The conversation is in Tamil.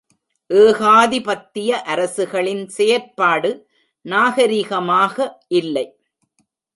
ஏகாதிபத்திய அரசுகளின் செயற்பாடு நாகரிகமாக இல்லை.